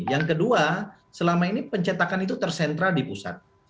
yang kedua selama ini pencetakan itu tersentral di pusat